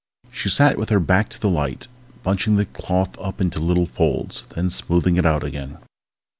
She sat with her back to the light, bunching the cloth up into little folds, then smoothing it out again.